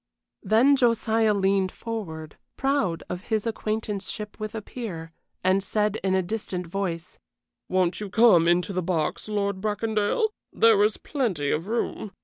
Then Josiah leaned forward, proud of his acquaintanceship with a peer, and said in a distinct voice: "Won't you come into the box, Lord Bracondale? There is plenty of room."